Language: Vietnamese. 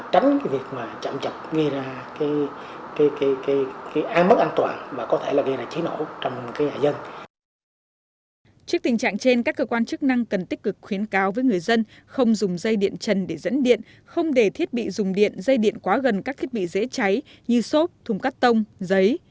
trước tình trạng trên các cơ quan chức năng cần tích cực khuyến cáo với người dân không dùng dây điện trần để dẫn điện không để thiết bị dùng điện dây điện quá gần các thiết bị dễ cháy như xốp thùng cắt tông giấy